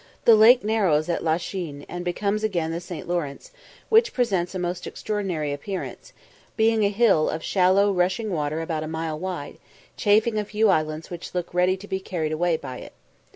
The lake narrows at La Chine, and becomes again the St. Lawrence, which presents a most extraordinary appearance, being a hill of shallow rushing water about a mile wide, chafing a few islands which look ready to be carried away by it.